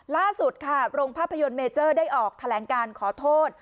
ล่าสุดค่ะโรงภาพยนตร์เมเจอร์ได้ออกแถลงการขอโทษ